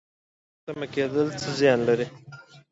د بل په تمه کیدل څه زیان لري؟